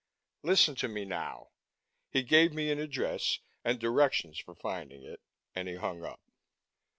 Listen to me, now." He gave me an address and directions for finding it. And he hung up.